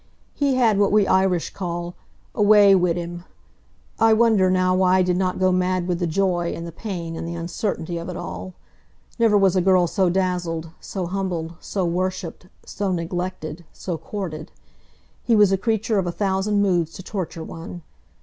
He had what we Irish call "a way wid him." I wonder now why I did not go mad with the joy, and the pain, and the uncertainty of it all. Never was a girl so dazzled, so humbled, so worshiped, so neglected, so courted. He was a creature of a thousand moods to torture one.